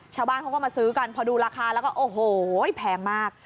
ชาวบ้านเขาก็มาซื้อกันพอดูราคาแล้วก็โอ้โหแพงมาก